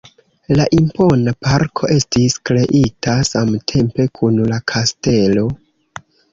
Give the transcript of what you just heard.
La impona parko estis kreita samtempe kun la kastelo.